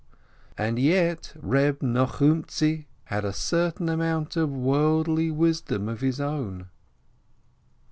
And yet Reb Nochumtzi had a certain amount of worldly wisdom of his own.